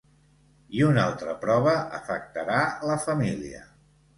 I una altra prova afectarà la família.